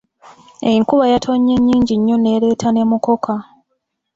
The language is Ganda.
Enkuba yatonye nnyingi nnyo n’ereeta ne mukoka.